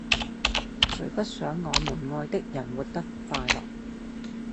誰不想我們愛的人活得快樂